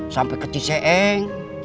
sampai ke ciseeng